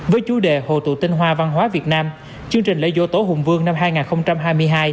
với chủ đề hồ tụ tinh hoa văn hóa việt nam chương trình lễ dỗ tổ hùng vương năm hai nghìn hai mươi hai